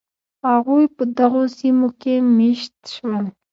هغوی په دغو سیمو کې مېشت شول.